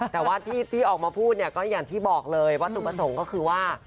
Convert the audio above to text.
แต่ว่าที่ออกมาพูดเนี่ยก็อย่างที่บอกเลยวัตถุประสงค์ก็คือว่า